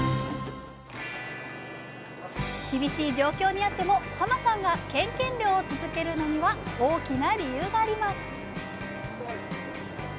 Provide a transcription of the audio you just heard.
厳しい状況にあってもさんがケンケン漁を続けるのには大きな理由があります。